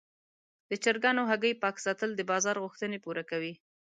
د چرګانو هګۍ پاک ساتل د بازار غوښتنې پوره کوي.